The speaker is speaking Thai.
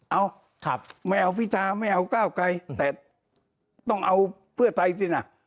เอาไม่เอาพิธาไม่เอาก้าวไกลแต่ต้องเอาเพื่อไทยสินะ